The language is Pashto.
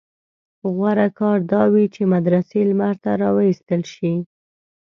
غوره کار دا وي چې مدرسې لمر ته راوایستل شي.